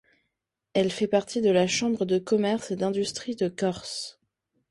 Elle fait partie de la Chambre de commerce et d'industrie de Corse.